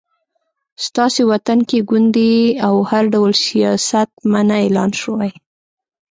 ستاسې وطن کې ګوندي او هر ډول سیاست منع اعلان شوی